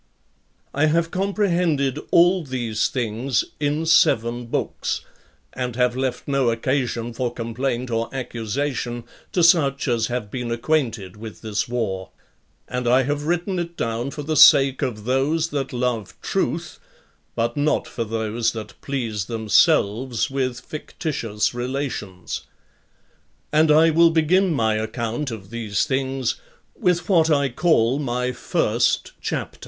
12. I have comprehended all these things in seven books, and have left no occasion for complaint or accusation to such as have been acquainted with this war; and I have written it down for the sake of those that love truth, but not for those that please themselves [with fictitious relations]. And I will begin my account of these things with what I call my First Chapter.